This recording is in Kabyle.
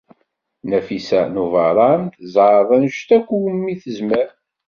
Nafisa n Ubeṛṛan tezɛeḍ anect akk umi tezmer.